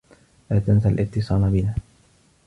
لا تنس الاتّصال بنا.